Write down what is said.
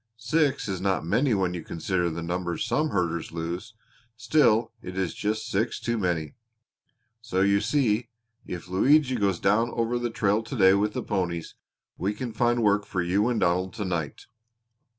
Six is not many when you consider the numbers some herders lose, still it is just six too many. So you see if Luigi goes down over the trail to day with the ponies we can find work for you and Donald to night."